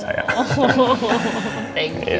dia udah anggap seperti ibu saya